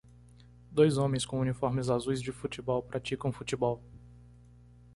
Dois homens com uniformes azuis de futebol praticam futebol.